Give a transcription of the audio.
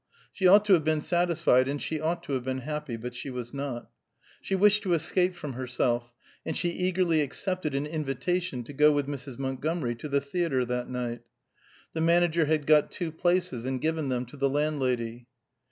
She ought to have been satisfied, and she ought to have been happy, but she was not. She wished to escape from herself, and she eagerly accepted an invitation to go with Mrs. Montgomery to the theatre that night. The manager had got two places and given them to the landlady.